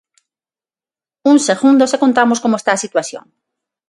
Uns segundos e contamos como está a situación.